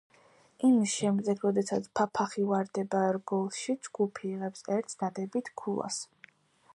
იმის შემდეგ, როდესაც ფაფახი ვარდება რგოლში ჯგუფი იღებს ერთ დადებით ქულას.